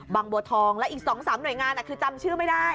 บัวทองและอีก๒๓หน่วยงานคือจำชื่อไม่ได้